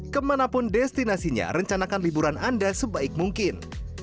kemanapun destinasinya rencanakan liburan anda sebaik mungkin